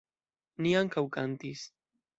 Ni ankaŭ kantis.